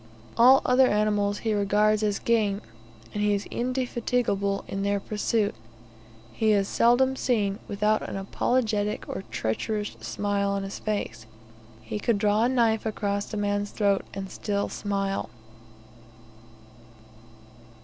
All other animals he regards as game, and is indefatigable in their pursuit. He is seldom seen without an apologetic or a treacherous smile on his face. He could draw a knife across a man's throat and still smile.